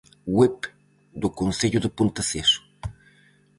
Web do concello de Ponteceso.